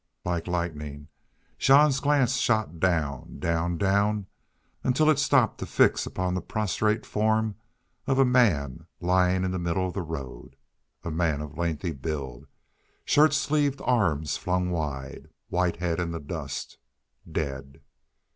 Like lightning Jean's glance shot down down down until it stopped to fix upon the prostrate form of a man, lying in the middle of the road. A man of lengthy build, shirt sleeved arms flung wide, white head in the dust dead!